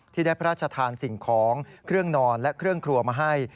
ที่ได้พระราชทานสิ่งของเครื่องนอนและเครื่องครัวมาให้